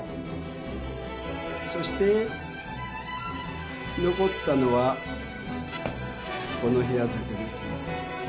そして残ったのはこの部屋だけです。